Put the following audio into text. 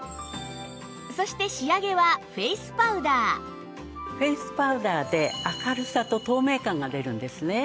そして仕上げはフェイスパウダーで明るさと透明感が出るんですね。